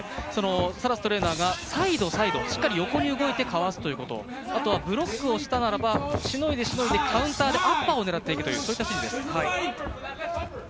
サラストレーナーがサイドサイド、しっかり横に動いて交わすということ、あとはブロックをしたならばしのいで、しのいで、カウンターでアッパーを狙っていくというシーンです。